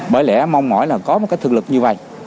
bởi lẽ mong mỏi là có một cái thực lực như vậy